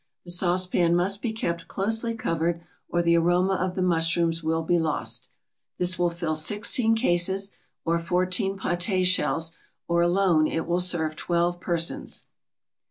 The saucepan must be kept closely covered, or the aroma of the mushrooms will be lost. This will fill sixteen cases, or fourteen paté shells, or alone it will serve twelve persons.